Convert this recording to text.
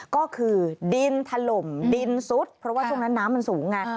ก็คือดินถล่มดินซุดเพราะว่าช่วงนั้นน้ำมันสูงไง